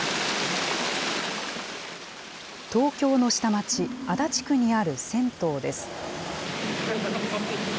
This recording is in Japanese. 東京の下町、足立区にある銭湯です。